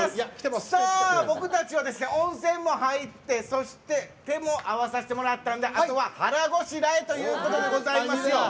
僕たちは、温泉も入って、そして手も合わさせてもらったのであとは腹ごしらえということでございますよ。